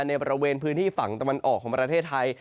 ในบริเวณพื้นที่ฝั่งตะวันออกของประเทศไทย